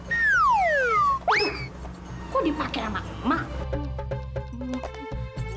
aduh kok dipake sama emak